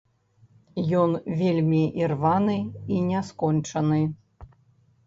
Ён вельмі ірваны і няскончаны.